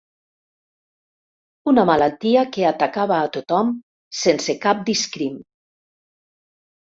Una malaltia que atacava a tothom sense cap discrim.